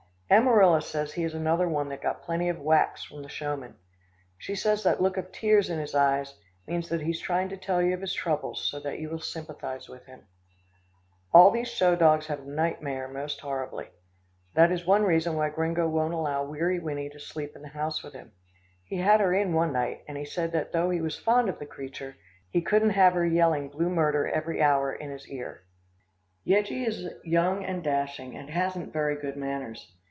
Amarilla says he is another one that got plenty of whacks from the showman. She says that look of tears in his eyes, means that he is trying to tell you of his troubles, so that you will sympathise with him. All these show dogs have nightmare most horribly. That is one reason why Gringo won't allow Weary Winnie to sleep in the house with him. He had her in one night, and he said that though he was fond of the creature, he couldn't have her yelling blue murder every hour in his ear. Yeggie is young and dashing, and hasn't very good manners.